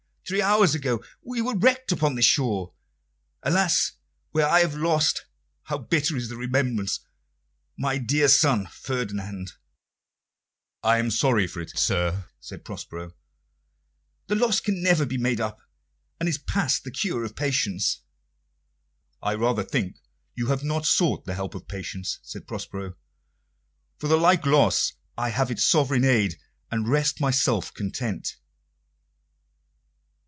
"Three hours ago we were wrecked upon this shore alas, where I have lost how bitter is the remembrance! my dear son Ferdinand." "I am sorry for it, sir," said Prospero. "The loss can never be made up, and is past the cure of patience." "I rather think you have not sought the help of patience," said Prospero. "For the like loss I have its sovereign aid, and rest myself content."